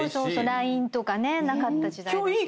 ＬＩＮＥとかなかった時代。